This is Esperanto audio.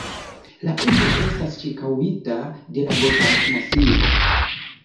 La urbo estas ĉirkaŭita de la Gotard-Masivo.